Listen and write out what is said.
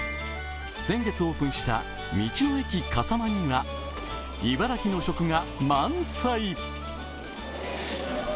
先月オープンした道の駅かさまには茨城の食が満載！